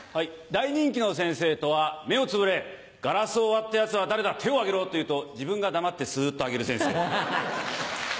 大人気の先生とは「目をつぶれガラスを割ったヤツは誰だ手を挙げろ」と言うと自分が黙ってスっと挙げる先生。